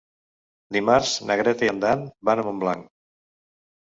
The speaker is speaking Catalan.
Dimarts na Greta i en Dan van a Montblanc.